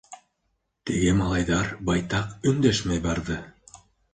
Теге малайҙар байтаҡ өндәшмәй барҙы.